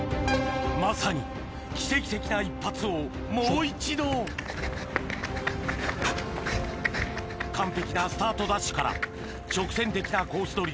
まさに奇跡的な１発をもう一度完璧なスタートダッシュから直線的なコース